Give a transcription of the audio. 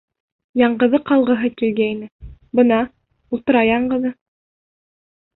Яңғыҙы ҡалғыһы килгәйне, бына ултыра яңғыҙы.